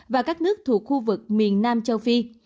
và các nước thuộc khu vực miền nam châu phi